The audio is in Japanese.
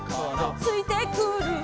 「ついてくる」